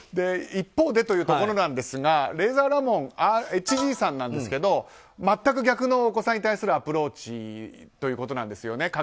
一方でというところですがレイザーラモンＨＧさんなんですが全く逆の子供さんに対するアプローチということなんですね。